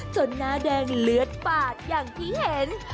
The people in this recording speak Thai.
หน้าแดงเลือดปาดอย่างที่เห็น